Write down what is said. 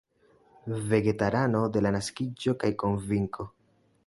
Vegetarano de la naskiĝo kaj konvinko.